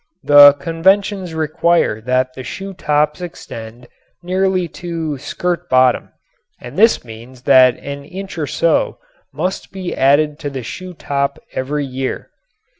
The conventions require that the shoe tops extend nearly to skirt bottom and this means that an inch or so must be added to the shoe top every year.